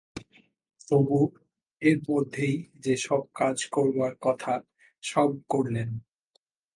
তবু এর মধ্যেই যে-সব কাজ করবার কথা, সব করলেন।